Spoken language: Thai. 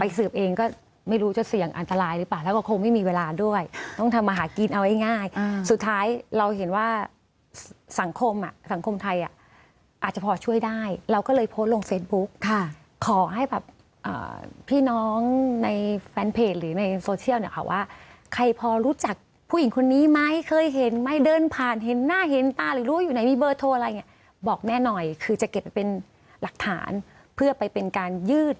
ถ้าสืบเองก็ไม่รู้จะเสี่ยงอันตรายหรือเปล่าแล้วก็คงไม่มีเวลาด้วยต้องทำมาหากินเอาไว้ง่ายสุดท้ายเราเห็นว่าสังคมสังคมไทยอ่ะอาจจะพอช่วยได้เราก็เลยโพสต์ลงเฟซบุ๊กขอให้แบบพี่น้องในแฟนเพจหรือในโซเชียลขอว่าใครพอรู้จักผู้หญิงคนนี้ไหมเคยเห็นไม่เดินผ่านเห็นหน้าเห็นตาหรือรู้อยู่ไหนมีเบอร